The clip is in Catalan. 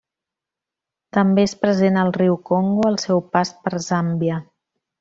També és present al riu Congo al seu pas per Zàmbia.